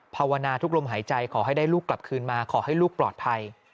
ภาวนาทุกลมหายใจขอให้ได้ลูกกลับคืนมาขอให้ลูกปลอดภัย